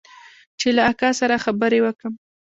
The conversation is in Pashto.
چې له اکا سره خبرې وکم.